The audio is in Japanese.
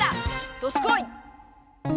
どすこい！